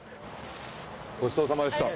ごちそうさまでした。